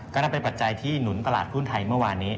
นั่นเป็นปัจจัยที่หนุนตลาดหุ้นไทยเมื่อวานนี้